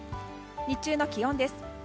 日中の気温です。